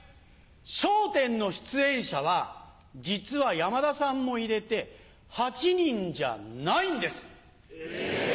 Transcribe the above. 『笑点』の出演者は実は山田さんも入れて８人じゃないんです。え！